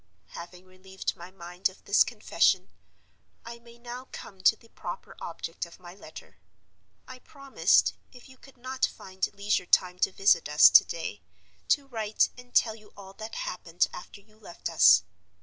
"Having relieved my mind of this confession, I may now come to the proper object of my letter. I promised, if you could not find leisure time to visit us to day, to write and tell you all that happened after you left us.